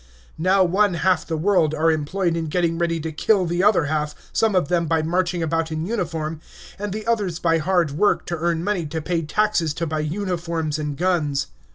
Now one half the world are employed in getting ready to kill the other half, some of them by marching about in uniform, and the others by hard work to earn money to pay taxes to buy uniforms and guns.